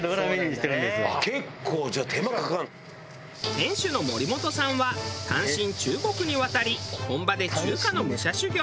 店主の森本さんは単身中国に渡り本場で中華の武者修行。